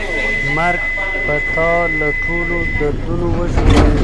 مرګ به تا له ټولو دردونو وژغوري.